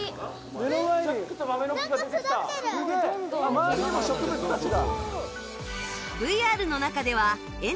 周りにも植物たちが。